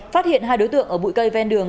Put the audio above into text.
phát hiện hai đối tượng ở bụi cây ven đường